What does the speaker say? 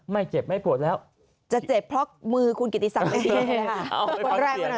ไม่เจ็บไม่ปวดแล้วจะเจ็บเพราะมือคุณกิตตีสังไปฟังเสียง